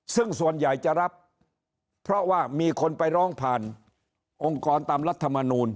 ซึ่งส่วนใหญ่จะรับเพราะว่ามีคนไปร้องผ่านองค์กรตามรัฐมนูล